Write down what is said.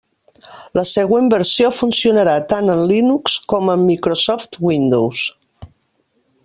La següent versió funcionarà tant en Linux com en Microsoft Windows.